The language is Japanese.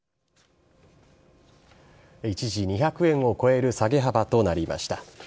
一時、２００円を超える下げ幅となりました。